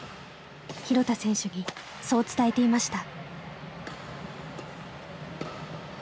廣田選手にそう伝えていました。